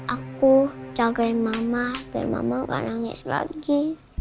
aku jagain mama dan mama gak nangis lagi